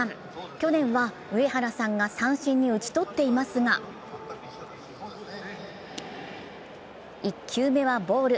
去年は、上原さんが三振に打ち取っていますが、１球目はボール。